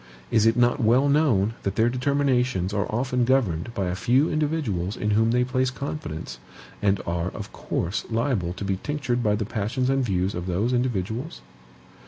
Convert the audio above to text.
Is it not well known that their determinations are often governed by a few individuals in whom they place confidence, and are, of course, liable to be tinctured by the passions and views of those individuals?